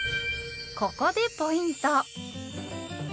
ここでポイント！